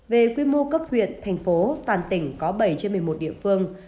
về quy mô cấp huyện thành phố toàn tỉnh có bảy trên một mươi một địa phương